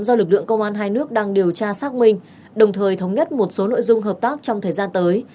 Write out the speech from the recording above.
do lực lượng công an hai nước đang điều tra xác minh đồng thời thống nhất một số nội dung hợp tác trong thời gian tới